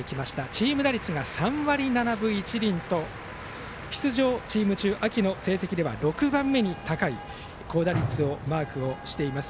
チーム打率、３割７分１厘と出場チーム中秋の成績では６番目に高い高打率をマークしています。